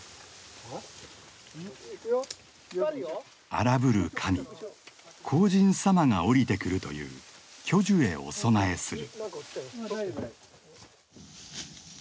荒ぶる神荒神様が降りてくるという巨樹へお供えする。